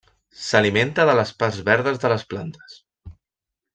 S'alimenta de les parts verdes de les plantes.